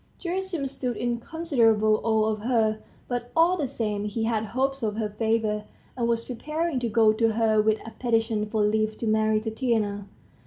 Gerasim stood in considerable awe of her, but, all the same, he had hopes of her favor, and was preparing to go to her with a petition for leave to marry Tatiana.